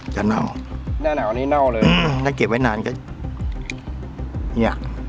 จะเน่าแน่น่าวอันนี้เน่าเลยอืมถ้าเก็บไว้นานก็เนี่ย